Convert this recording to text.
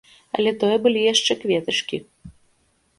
Але тое былі яшчэ кветачкі.